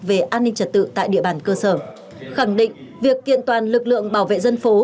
về an ninh trật tự tại địa bàn cơ sở khẳng định việc kiện toàn lực lượng bảo vệ dân phố